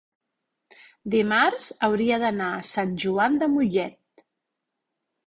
dimarts hauria d'anar a Sant Joan de Mollet.